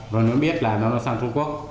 rồi nó biết là nó sang trung quốc